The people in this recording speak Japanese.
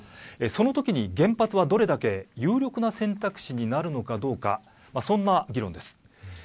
そのときに原発はどれだけ有力な選択肢になるのかどうかそんな議論です。